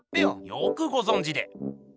よくごぞんじで。